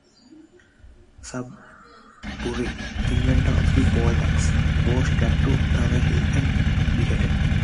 Sudbury, inventor of the poll tax, was dragged to Tower Hill and beheaded.